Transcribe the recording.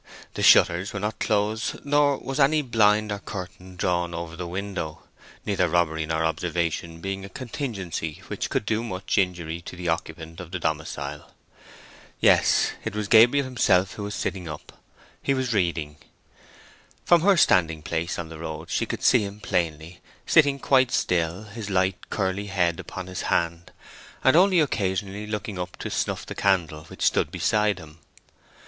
The shutters were not closed, nor was any blind or curtain drawn over the window, neither robbery nor observation being a contingency which could do much injury to the occupant of the domicile. Yes, it was Gabriel himself who was sitting up: he was reading. From her standing place in the road she could see him plainly, sitting quite still, his light curly head upon his hand, and only occasionally looking up to snuff the candle which stood beside him.